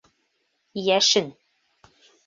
Йәшен